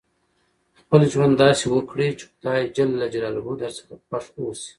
خپل ژوند داسي وکړئ، چي خدای جل جلاله درڅخه خوښ اوسي.